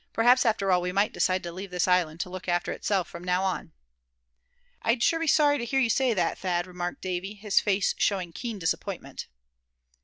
Perhaps after all, we might decide to leave the island to look after itself from now on." "I'd sure be sorry to hear you say that, Thad," remarked Davy, his face showing keen disappointment.